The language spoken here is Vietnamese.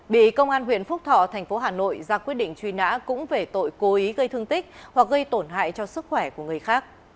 bị công an huyện phúc thọ tp hcm ra quyết định truy nã cũng về tội cố ý gây thương tích hoặc gây tổn hại cho sức khỏe của người khác